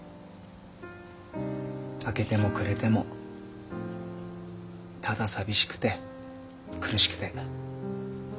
明けても暮れてもただ寂しくて苦しくて。